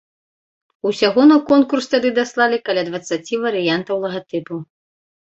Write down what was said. Усяго на конкурс тады даслалі каля дваццаці варыянтаў лагатыпу.